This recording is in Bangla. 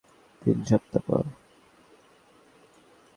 তিন সপ্তাহ পর।